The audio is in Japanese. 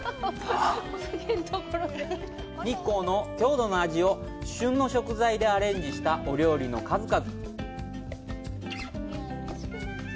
日光の郷土の味を旬の食材でアレンジしたお料理の数々。